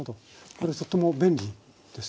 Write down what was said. これはとっても便利ですよね？